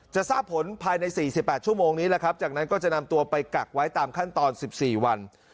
จะทราบผลภายในสี่สิบแปดชั่วโมงนี้แล้วครับจากนั้นก็จะนำตัวไปกักไว้ตามขั้นตอนสิบสี่วัน